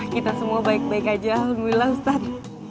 kita semua baik baik aja alhamdulillah ustadz